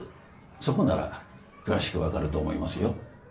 そこなら詳しく分かると思いますよ